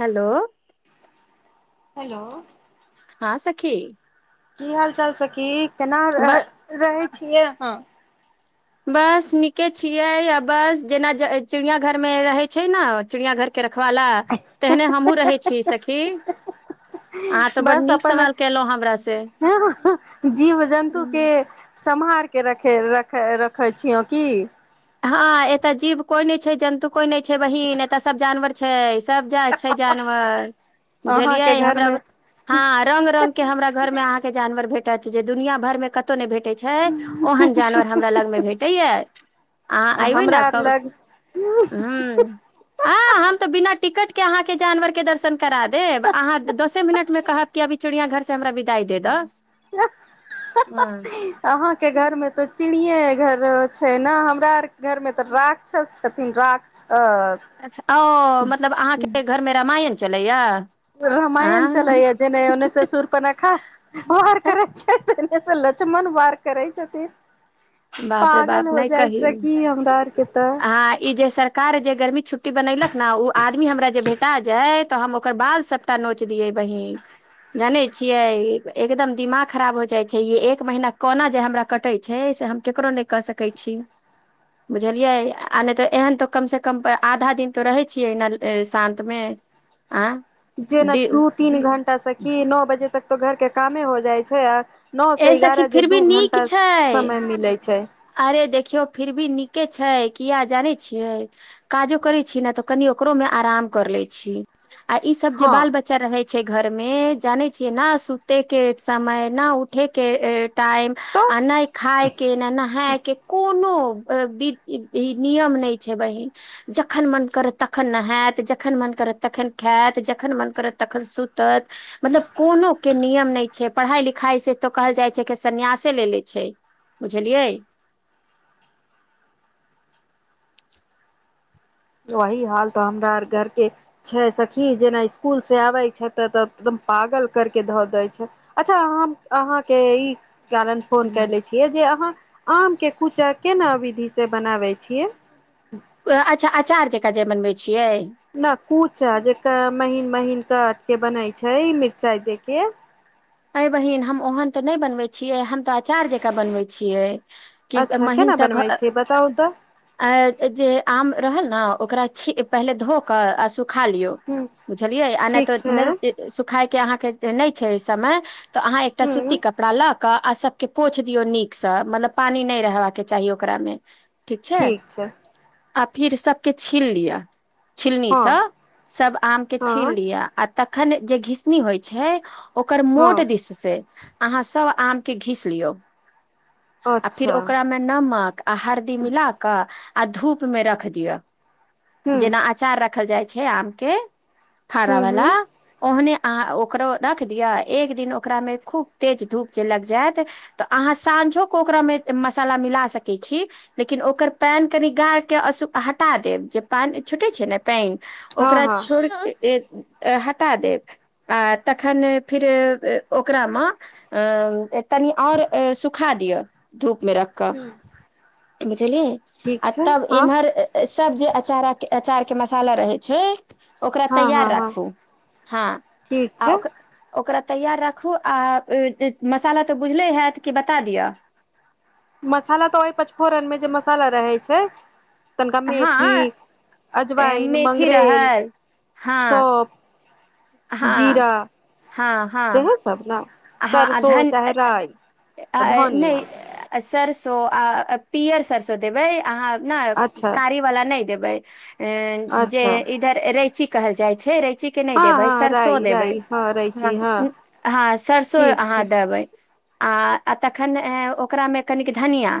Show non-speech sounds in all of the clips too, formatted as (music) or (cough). Hello hello हाँ सखी की हाल चाल सखी केना ब रह- रहै छियै अहाँ बस नीके छियै आ बस जेना ज-चिड़िया घरमे रहै छै ना चिड़िया घर केरखवाला तेहने हमहुँ रहै छीयै सखी अहाँ तऽ बड्ड बस नीक अपन सवाल केलहुँ हमरासे जीव जन्तुके सम्हारके रखे- रखे-रखै छियौ की हाँ एतय जीव कोई नहि छै जन्तु कोई नहि छै बहिन एतय सब जानवर छै सब जाएत छै जानवर बुझलियै अहाँके हमरा घरमे हाँ रंग-रंगके हमरा घरमे अहाँके जानवर भेटत जे दुनिया भरमे कत कतो नै भेटै छै ओहन जानवर हमरा लगमे भेटयै या अहाँ अइबे हमरा न आर तब लग हूँ आ हम तऽ बिना टिकटके अहाँके जानवरके दर्शन करा देब अहाँ द-दसे मिनटमे कहब कि अभी चिड़िया घर से हमरा विदाइ दे दऽ हाँ अहाँके घरमे तऽ चिड़ियाँ यै घर छै ने हमरा आरके घरमे तऽ राक्षस छथिन रा- अ अच्छा ओ मतलब अहाँके घरमे रामायण चलैया आ रमायण चलैय जेने ओन्ने से सूर्पनखा आओर करै छै ओने से लछमन वार करै छथिन बाप रे पागल बाप हो जाइ छै की हमरा आर के तऽ हाँ ई जे सरकार जे गर्मी छुट्टी बनेलक ने ओ आदमी हमरा जे भेटा जाएत तऽ हम ओकर बाल सबटा नोच दियै बहिन जानै छियै एकदम दिमाग खराब हो जाइ छै यै एक महीना कोना जे हमरा कटै छै से हम केकरो नै कह सकै छी यै आ नै तऽ एहन तऽ कम से कम आधा दिन तऽ रहै छियै न शान्तमे आँ जेना दू तीन घंटा सखी नौ बजे तक तऽ घरके कामे हो जाइ छै आ नौसँ एहि सखी एगारह जे फिर भी दू नीक घण्टा छै समय मिलै छै अरे देखियौ फिर भी नीके छै कियाऽ जानै छियै काजो करै छी ने तऽ कनि ओकरोमे आराम कर लै छी आ ई सब जे हँ बाल बच्चा बच्चा रहै छै घरमे जाने छियै न सुतयके समय ना उठयके टाइम तऽ आ नै खाइके न नहायके कोनो ए-बी- ई नियम नहि छै बहिन जखन मन करत तखन नहात जखन मन करत तखन खाऽत जखन मन करत तखन सुतत मतलब कोनोके नियम नै छै पढ़ाइ लिखाइ से तऽ कहल जाइ छै कि सन्यासे ले ले छै बुझलियै वही हाल तऽ हमरा आर घरके छै सखी जेना इस्कुलसे आबै छै तऽ तऽ एकदम पागल करि कऽ धऽ दै छै। अच्छा हम आहाँके ई कारन। फोन कएले छियै जे अहाँ आमके कूचा केना विधिसे बनाबै छियै। उएह अच्छा अचार जकाँ जे बनबै छियै। न कूचा जेका महीन महीन कट के बनै छै मिरचाई दे के। ऐ बहिन हम ओहन तऽ नै बनवै छियै हम तऽ अचार जकाँ बनवै छियै। कि अच्छा केना महिंस घर। बनबै छियै बताउ तऽ अ जे आम रहल न ओकरा छी पहिले धोक आ सुखा लियौ। ह बुझलियैए आ नै ठीक त छै नै सुखाय के अहाँके नै छै एहि समय तऽ अहाँ एकटा सूती हूँ कपड़ा लक। क आ सबके पोछि दियौ नीकसँ मतलब पानि नै रहबाक चाही ओकरामे। ठीक छै आ फिर सबके छील लिअ छिलनीस हँ सब आम के छील हँ लियअ आ तखन जे घीसनी होइ छै ओकर मोट। हँ दिस से अहाँ सब आमके घीस लिय आ फिर अच्छा ओकरामे। नमक आ हरदि मिलाक आ धुप मे रख दिय हूँ चार राखल जाइ छै आम के फाड़ा हूँ वला। हूँ ओहने अहाँ ओकरो रख दियअ एक दिन ओकरा मे खूब तेज धूप जे लग जायत। तऽ अहाँ साँझोे कऽ ओकरामे मसाला मिला सकै छी। लेकिन ओकर पान कनि गाके हटा देब जे पानि छोटे छै ने। पैंन हँ ओकरा हँ छोड़ के। ए हटा देब आ तखन फिर। ओकरा मे तनि आओर सुखा दिअ धूप मे रख। कऽ बुझलियै ठीक आ छै तब हँ इम्हर। सब जे अचारा अचार के मसाला रहै छै। ओकरा हँ तैयार हँ हँ राखू हँ ठीक आ छै ओक। ओकरा तैयार राखू आ मसाला तऽ बुझले हएत कि बता दिअ। मसाला तऽ ओहि पचफोरनमे जे मसाला रहै छै तनिका मेथी। हँ ए अजवाइन मेथी मंगरेेल रहल हँ सोप। हँ जीरा हँ हँ सेहो सब न हँ आ सफसो धन चाहे राय धोनिया। नहि सरसो आ पियर सरसो देबै अहाँ। नाय अच्छा कारी वाला नाय देबै जे अच्छा इ रैची कहल जाइ छै रैची के नै हँ देबै हँ सरसों राइ के नै राइ हँ रैची हँ देबै हँ सरसो ठीक छै आहाँ देबैय आ तखन ओकरा मे कनीक धनिया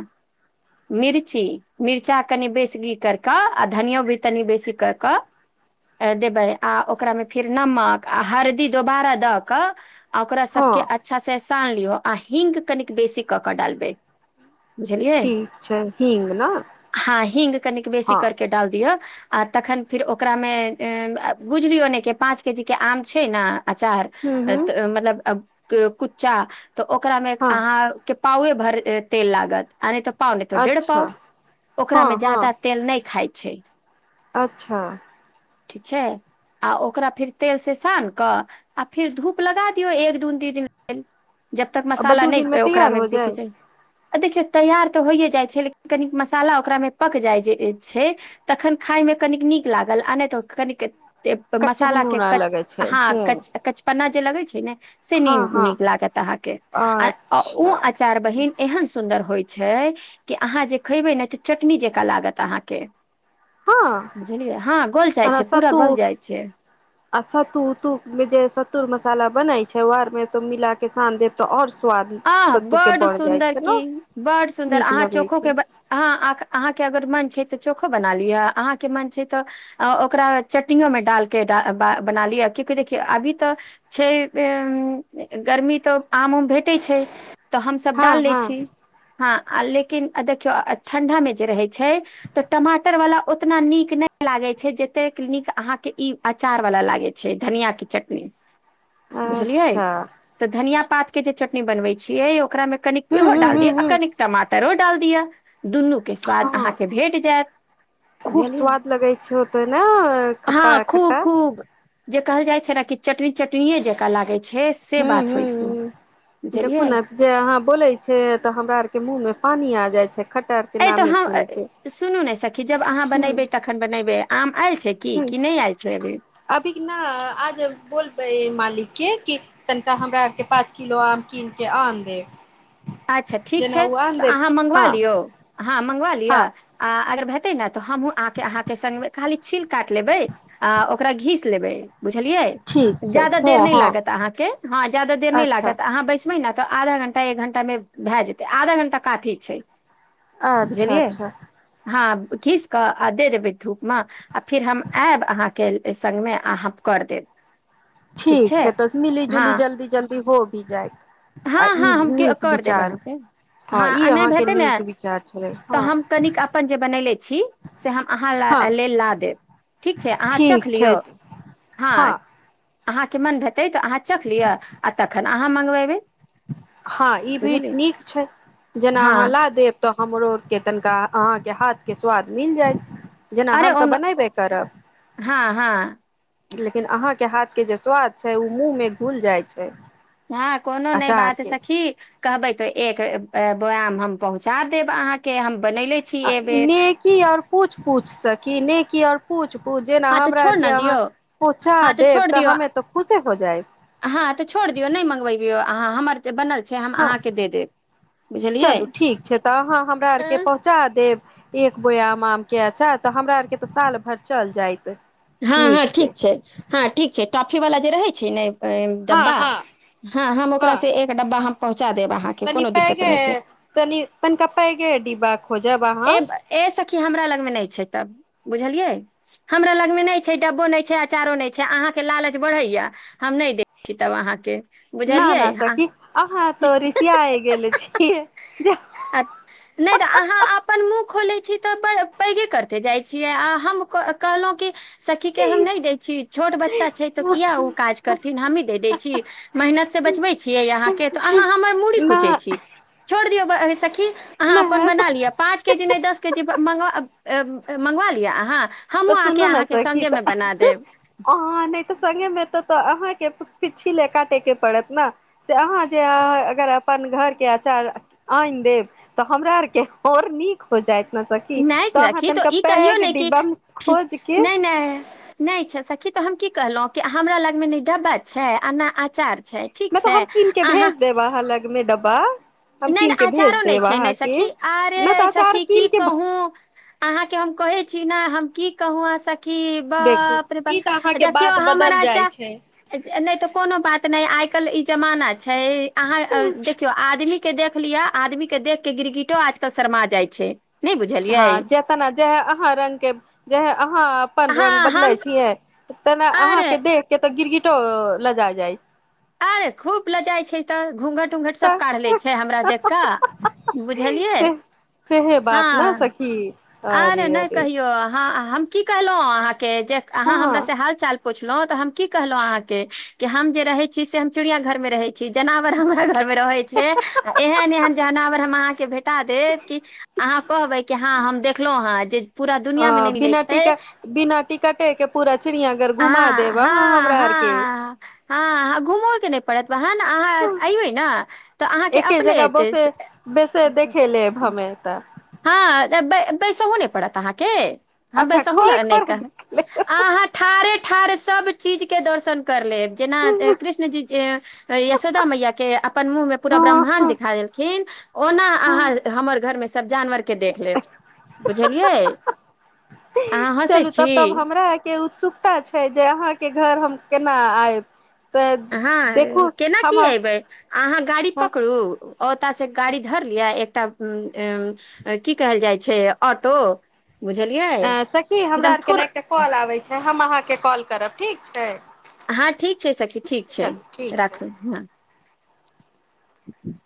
मिर्ची मिर्चा कनि बेसगी करि कऽ आ धनियो भी तनि बेसी करि कऽ। देबै आ ओकरामे फेर नमक आ हरदि दोबारा दऽ कऽ। आ ओकरा सबके हँ अच्छा सेह सान लियौ आ हिंक कनिक बेसी कऽ कऽ डालबै। बुझलियै ठीक छै हींग ने हँ ही्ंग कनिक बेसी हँ करके डाल दियौ आ तखन फिर ओकरामे बुझलियौ नै के पाँच के जी के आम छै ने अचार। हूँ त हूँ अ मतलब कुच्चा तऽ ओकरामे हँ अहाँ। के पाउए भर तेल लागत। आ नै त पाव नै त डेढ़ अच्छा पाव ओकरा हँ मे हँ ज्यादा तेल नै खाय छै। अच्छा। ठीक छै। आ ओकरा फिर तेल से सान कऽ आ फिर धूप लगा दियऔ एक। तून दीदी जब तक आ मसाला दू नै दिनमे ओकरा तैयार मे हो बिकै जाय छै आ देखियौ तैयार तऽ होइये जाइ छै लेकिन कनी मसाला ओकरा मे पक जाइ छै तखन खायमे कनिक नीक लागल आ नै तऽ कनिक कच्चे गुनू मसालाके न कच लगै छै हँ हूँ कच कचपन्ना जे लगै छै ने से न हँ हँ नीक लागत अहाँके उ अच्छा अँचार बहिन एत। एहन सुन्दर होइ छै कि अहाँ जे खेबै ने त चटनी जेका लागत अहाँके। हँ बुझलियै हँ गोल जाइ ओना छै पूरा सत्तू गोल जाइ छै। आ सत्तू उत्तू मे जे सत्तू मसाला बनय छै ओ आर मे तो मिला के सान देब। तऽ आओर स्वाद। आ सत्तू के बड्ड बढ़ जाइ सुन्दर छै ने की बड्ड सुन्दर नीक अहाँ लगै चोखो के छै हाँ अहाँके अगर मन छै तऽ चोखो बना लिअ अहाँके मन छै तऽ आ ओकरा चटनीयो मे डालके बा बा बना लिय कियेकि देखियौ अभी तऽ छै उ गर्मी तऽ आम उम भेट भेटै छै तऽ हम सब हँ डाल लै हँ छी हँ आ लेकिन देखियौ ठंडा मे जे रहै छै तऽ टमाटर वाला ओतना नीक नै लागे छै जतेक नीक अहाँके ई अँचार वाला लागै छै धनियाँ के चटनी (inaudible) बुझलियै अच्छा तऽ धनियाँ पात के जे चटनी बनबै छियै ओकरामे कनिक हूँ इहो हूँ डाल हूँ दिअ आ हूँ कनिक टमाटरो डाल दिअ दुनू के स्वाद हँ अहाँके भेट जायत खूब बुझलियै स्वाद लगै छै होते नै हँ खट्टा- खूब खट्टा खूब जे कहल जाइ छै ने कि चटनी चटनिए जकाँ लागै छै से बात होइ छै देखु बुझलियै न जे अहाँ बोले छै तऽ हमरा ओर के मुँह मे पानी आ जाय छै खटर अइ सुनू ने सखी जब अहाँ ह बनेबै तखन बनेबै आम आयल छै की ह की नय आइल छै अभी अभी न आज बोलबै मालिक के की तनिका हमरा ओर के पाँच किलो आम कीन के आन देब अच्छा ठीक जेना छै ओ आन तऽ देब अहाँ मँंगवा हँ लियौ, हँ मँंगवा लिअ हँ आ अगर हेतै न तऽ हमहुँ अहाँके- अहाँके संग मे खाली छील काट लेबै आ ओकरा घीस लेबै बुझलियै ठीक छै जादा हँ देर नय हँ लागत आहाँ के, हँ जादा देर नय अच्छा लागत, आहाँ बैसबै न तऽ आधा घंटा एक घं टा मे भै जेतै। आधा घंटा काफी छै अच्छा बुझलियै अच्छा हँ खीस क आ दे देेबै धूपमे आ फिर हम आयब अहाँके संगमे आ हम कर देब ठीक छै तऽ मिली- हँ जुली, जल्दी -जल्दी हो भी जायत आ हँ हँ हम ई के- नीक कर देब आहाँ विचार के हँ ई आ नब अहाँके हेतै न नीक विचार छलै तऽ हँ हम कनिक अपन जे बनयले छी से हम अहाँ ला हँ लेल ला देब ठीक छै अहाँ चख ठीक छै लियौ हँ अहाँके मन भेतै तऽ अहाँ चख लिअ आ तखन अहाँ मँगबेबै हँ ई बीट नीक छै जेना हँ अहाँ ला देब तऽ हमरो ओर के तनिका अहाँके हाथ के स्वाद मिल जायत जेना अरे हम तऽ ओन बनैबे करब हँ हँ लेकिन अहाँके हाथ के जे स्वाद छै ओ मुँह मे घुल जाइ छै हँ कोनो नै बात अचारके सखी कहबै तो एक वोयाम हम पहुँचा देब अहाँ के हम बनैले आ नेकी आर पूछ -पूछ सकी नेकी आर पूछ- पूछ जेना हँ तऽ हमरा छोड़ आओरके ने अहाँ दियौ पहूँचा देब तऽ हमे तऽ खुश हो जायब हाँ तो छोड़ दियौ नै मँंगबयौ अहाँ हमर जे बनल छै हम हँ अहाँके दे देब बुझलियै चलू ठीक छै तऽ अहाँ हमरा आरके पहुँचा देब एक बोययायम आमके अचार तऽ हमरा आरके तऽ साल भरि चल जाएत हाँ हाँ ठीक छै हाँ ठीक छै टॉफी वला जे रहै छै ने ऐं हँ डब्बा हँ हाँ हम हँ ओकरासँ एक डब्बा हम पहुँचा देब अहाँके कोनो दिक्कत नहि छै कनि तनिका पैघे डिब्बा खोजब अहाँ ए ए सखी हमरा लगमे नहि छै तब बुझलियै हमरा लगमे नै छै डब्बो नै छै अचारो नै छै अहाँके लालच बढ़ैया हम नै दै छी तब अहाँके ना- ना बुझलियै। सखी अहाँ तो ऋषिया गेल छियै जाउ नै तऽ अहाँ अप- अपन मुँह खोलै छी तऽ पैघे करिते जाइ छियै आ हम कहलहूँ कि सखीके हम नै दै छी छोट बच्चा छै तऽ किया ओ काज करथिन हमही दऽ दै छी मेहनत से बचबै छियै अहाँके तऽ अहाँ हमर मूड़ी ना कुचै छी छोड़ दियौ सखी अहाँ अपन ना बना लिअ पाँचके जे नहि दसके जे म- मंगवा लिअ अहाँ तऽ हमहूँ आके सुनू ने अहाँके सखी तऽ सङ्गेमे बना ऐं देब - अ-अहाँ नहि तऽ सङ्गेमे त- तऽ अहाँके छिले काटेके पड़त नऽ से अहाँ जे अ-अगर अपन घरके अचार आइन देव तऽ हमरा आरके आओर नीक हो जाएत ना सखी तऽ अहाँ तनिका पैघ डिब्बामे ठीक खोज के नहि नहि नहि छै सखी तऽ हम की कहलहूँ कि हमरा लंगमे ने डब्बा छै आ ने अचार छै ठीक तऽ छै हम कीन के भेज अहाँ देब अहाँ लगमे डब्बा हम नहि कीन नहि के भेज आचारो नहि देब छै ने अहाँके सखी आरे नहि तऽ अचार सखी कीन की के कहूँ अहाँके हम कहै छी ने हम की कहु आ सखी देखू बाप रे बाप ई तऽ अहाँके देखियौ बात बदल हमरा जाइ अचार छै नहि तऽ कोनो बात नहि आइ काल्हि ई जमाना छै अहाँ देखियौ आदमी के देख लिअ आदमीके देखके गिरगिटो आजकल शरमा जाइ छै नहि बुझलियै हाँ जे तेना जेहा अहाँ रंगके जेहा अहाँ अपन रंगके हँ बदलै हम छियै तेना अरे अहाँके देखके तऽ गिरगिटो लजा जाइ अरे खूब लजाए छै तऽ घूँघट उऊंघट सब तऽ काढ़ ले छै हमरा देख कऽ बुझलियै से सेहे बात न सखी की आरे नहि कहियो अहाँ हम की कहलहूँ अहाँके जे अहाँ हमरा हँ से हाल चाल पूछलहूँ तऽ हम कि कहलहूँ अहाँके हम जे रहै छी से हम चिड़ियाँ घरमे रहै छी जनावर हमरा घरमे रहै छै ए एहन एहन जनावर हम अहाँक भेटा देब की अहाँ कहबै की अहाँ हम देखलहुँ हँ जे पूरा अ दुनियाँमे नहि मिलै बिना छै टिका बिना टिकटे के पूरा चिड़ियाघर घुमा हाँ देब अहाँ हाँ हमरा आरके हाँ हाँ घूमऽके नहि पड़त बहन अहाँ एबै न तऽ अहाँके एके अपने जगह बसे बेसे देखे लेब हमे तऽ हाँ बैसहु नहि पड़त अहाँके हम अच्छा बैसहु खरे ला नहि खरे कहब देख लेब अहाँ ठाढ़े ठाढ़े सब चीज के दर्शन कर लेब जेना कृष्ण जी यशोदा मैया के अपन मुँह मे पूरा हँ ब्रह्मा्ड हँ दिखा देलखिन ओना अहाँ हमर घर मे सब जानवर के देख लेब बुझलियै अहाँ हसै छी रा के उतसुक पता छै जे अहाँके घर हम केना आयब तऽ हँ देखू केना की हम एबै अहाँ गाड़ी पकड़ू ओतय से गाड़ी धरलियै एकटा की कहल जाइ छै ऑटो बुझलियाय सखी हमरा आरके ने एकटा कॉल आबै छै हम अहाँके कॉल करब ठीक छै हँ ठीक छै सखी ठीक छै चलू ठीक छै राखू हँ ठे (unintelligible)